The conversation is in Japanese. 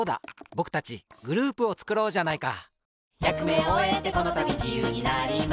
ぼくたちグループをつくろうじゃないか！